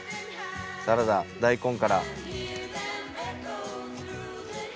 サラダ大根から。